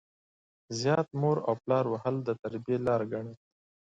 زيات مور او پلار وهل د تربيې لار ګڼي.